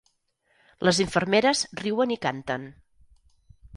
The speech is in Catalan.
Les infermeres riuen i canten.